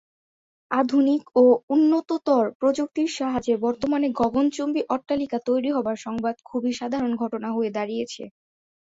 আধুনিক ও উন্নততর প্রযুক্তির সাহায্যে বর্তমানে গগনচুম্বী অট্টালিকা তৈরী হবার সংবাদ খুবই সাধারণ ঘটনা হয়ে দাঁড়িয়েছে।